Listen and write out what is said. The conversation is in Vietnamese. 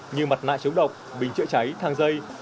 như mặt nạ chống độc bình chữa cháy thang dây